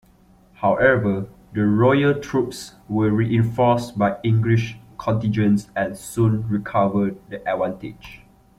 However, the royal troops were reinforced by English contingents and soon recovered the advantage.